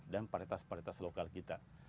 dan paritas paritas lokal kita